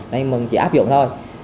nên mình chỉ áp dụng thôi